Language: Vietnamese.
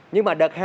nhưng mà đợt hai